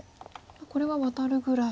これはワタるぐらい。